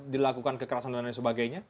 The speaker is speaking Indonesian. dilakukan kekerasan dan lain sebagainya